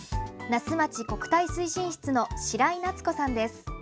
那須町国体推進室の白井奈津子さんです。